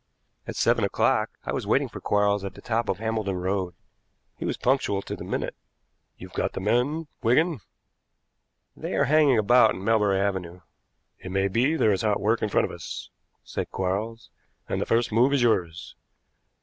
At seven o'clock I was waiting for Quarles at the top of Hambledon Road. He was punctual to the minute. "You've got the men, Wigan?" "They are hanging about in Melbury Avenue." "It may be there is hot work in front of us," said Quarles, "and the first move is yours. No.